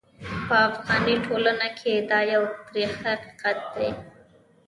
په افغاني ټولنه کې دا یو ترخ حقیقت دی.